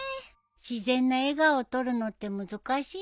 自然な笑顔を撮るのって難しいね。